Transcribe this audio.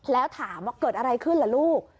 แล้วถามว่าเกิดอะไรขึ้นล่ะลูก